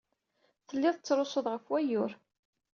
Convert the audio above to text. Tellid tettrusud ɣef wayyur.